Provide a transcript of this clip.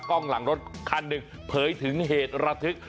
กล้องหลังรถคันหนึ่งเผยถึงเหตุระทึก